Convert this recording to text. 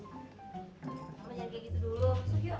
masih kayak gitu dulu masuk yu